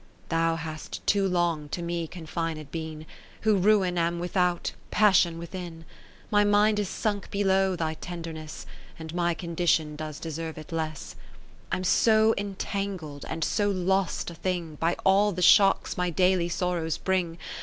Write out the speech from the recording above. Thou hast too long to me confined been, Who ruin am without, passion within. 10 My mind is sunk below thy tender ness, And my condition does deserve it less ; I'm so entangl'd and so lost a thing By all the shocks my daily sorrow[s] bring.